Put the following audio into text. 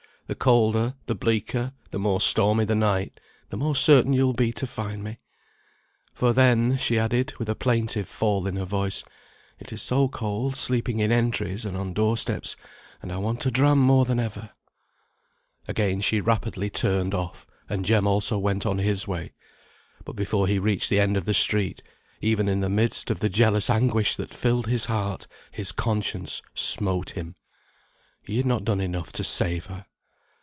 The colder, the bleaker, the more stormy the night, the more certain you will be to find me. For then," she added, with a plaintive fall in her voice, "it is so cold sleeping in entries, and on door steps, and I want a dram more than ever." Again she rapidly turned off, and Jem also went on his way. But before he reached the end of the street, even in the midst of the jealous anguish that filled his heart, his conscience smote him. He had not done enough to save her.